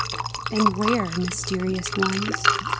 And where, mysterious ones.